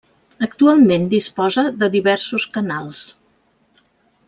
Actualment disposa de diversos canals.